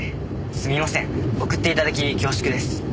すみません送って頂き恐縮です。